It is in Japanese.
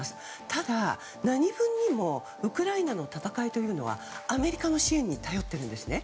ただ、何分にもウクライナの戦いというのはアメリカの支援に頼ってるんですね。